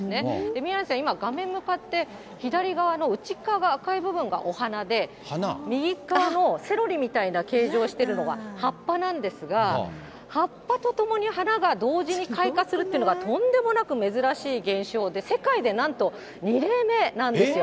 宮根さん、今、画面向かって左側の内っ側赤い部分がお花で、右側のセロリみたいな形状をしているのは、葉っぱなんですが、葉っぱとともに花が同時に開花するっていうのが、とんでもなく珍しい現象で、世界でなんと２例目なんですよ。